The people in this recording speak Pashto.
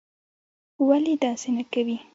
ولي داسې نه کوې?